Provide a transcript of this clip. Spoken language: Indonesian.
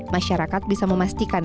masyarakat bisa memastikan